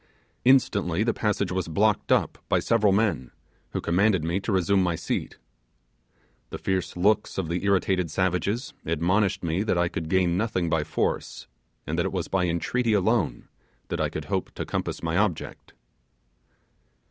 Instantly the passage was blocked up by several men, who commanded me to resume my seat. The fierce looks of the irritated savages admonished me that I could gain nothing by force, and that it was by entreaty alone that I could hope to compass my object.